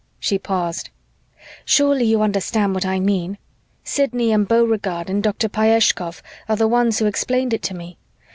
She paused. "Surely you understand what I mean? Sidney and Beauregard and Dr. Pyeshkov are the ones who explained it to me.